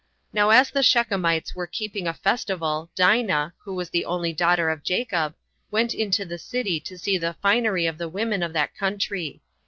Now as the Shechemites were keeping a festival Dina, who was the only daughter of Jacob, went into the city to see the finery of the women of that country.